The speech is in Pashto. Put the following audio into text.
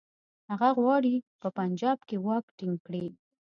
هغه غواړي په پنجاب کې واک ټینګ کړي.